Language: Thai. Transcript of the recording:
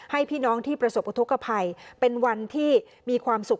พี่น้องที่ประสบอุทธกภัยเป็นวันที่มีความสุข